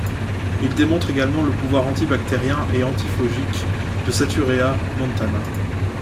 Il démontre également le pouvoir antibactérien et antifongique de saturea montana.